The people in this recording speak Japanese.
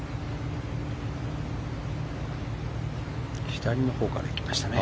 左のほうから行きましたね